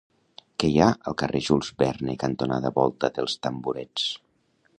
Què hi ha al carrer Jules Verne cantonada Volta dels Tamborets?